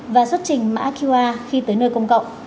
và xuất trình mã qr khi tới nơi công cộng